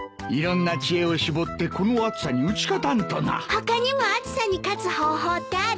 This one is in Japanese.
他にも暑さに勝つ方法ってある？